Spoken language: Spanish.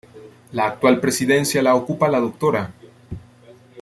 La actual presidencia la ocupa la Dra.